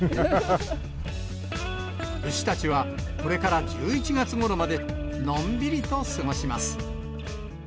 牛たちは、これから１１月ごろまで、のんびりと過ごします。